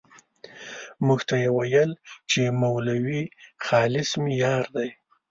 موږ ته یې ويل چې مولوي خالص مې يار دی.